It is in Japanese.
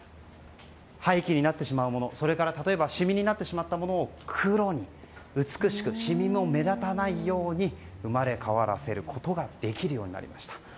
廃棄になってしまうものシミになってしまったものを黒に、美しくシミも目立たないように生まれ変わらせることができるようになりました。